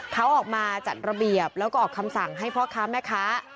เขาออกมาจัดระเบียบแล้วก็ออกคำสั่งให้พ่อค้าแม่ค้า